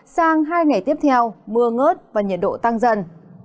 sang hai ngày tiếp theo mưa ngớt và nhiệt độ tăng dần